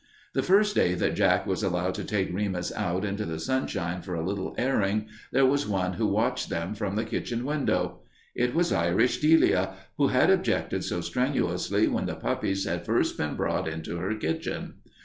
The first day that Jack was allowed to take Remus out into the sunshine for a little airing, there was one who watched them from the kitchen window. It was Irish Delia, who had objected so strenuously when the puppies had first been brought into her kitchen.